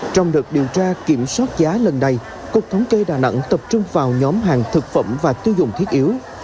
trong đợt điều tra kiểm soát giá lần này cục thống kê đà nẵng tập trung vào nhóm hàng thực phẩm và tiêu dùng thiết yếu